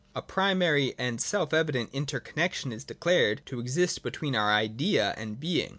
A primary and self evident inter connexion is declared to exist between our Idea and being.